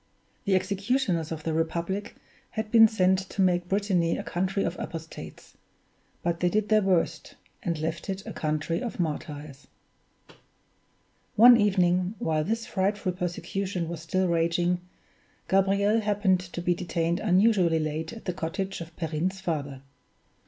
The executioners of the Republic had been sent to make Brittany a country of apostates; they did their worst, and left it a country of martyrs. One evening, while this frightful persecution was still raging, Gabriel happened to be detained unusually late at the cottage of Perrine's father.